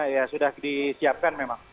ya sudah disiapkan memang